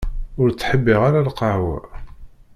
Ur ttḥibbiɣ ara lqahwa.